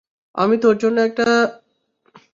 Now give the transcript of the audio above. আমি তোর জন্য একটা সেক্সি অন্তর্বাস নিয়ে বাড়ি আসব।